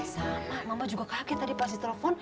sama mama juga kaget tadi pas ditelepon